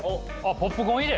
ポップコーン入れ？